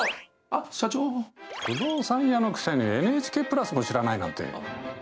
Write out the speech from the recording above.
不動産屋のくせにＮＨＫプラスも知らないなんて。